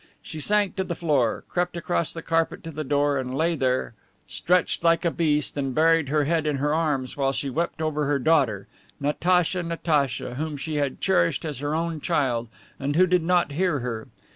She sank to the floor, crept across the carpet to the door, and lay there, stretched like a beast, and buried her head in her arms while she wept over her daughter. Natacha, Natacha, whom she had cherished as her own child, and who did not hear her.